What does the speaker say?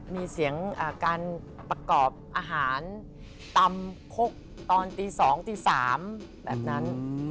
มีเสียงการประกอบอาหารตำคกตอนตี๒ตี๓แบบนั้น